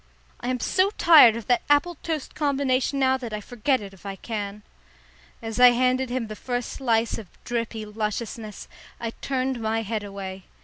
"I am so tired of that apple toast combination now that I forget it if I can." As I handed him the first slice of drippy lusciousness, I turned my head away.